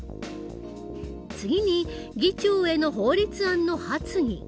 次に議長への法律案の発議。